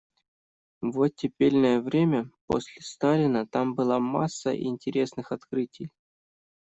В оттепельное время, после Сталина – там была масса интересных открытий.